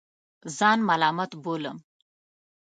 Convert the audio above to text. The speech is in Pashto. ځان ملامت بولم.